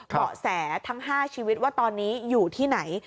เบาะแสทั้ง๕ชีวิตว่าตอนนี้อยู่ที่ไหน